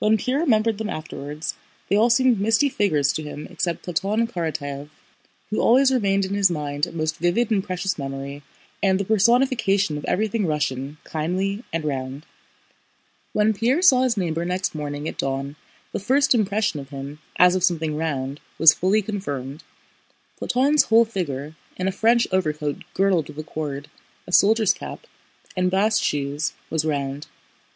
When Pierre remembered them afterwards they all seemed misty figures to him except Platón Karatáev, who always remained in his mind a most vivid and precious memory and the personification of everything Russian, kindly, and round. When Pierre saw his neighbor next morning at dawn the first impression of him, as of something round, was fully confirmed: Platón's whole figure—in a French overcoat girdled with a cord, a soldier's cap, and bast shoes—was round.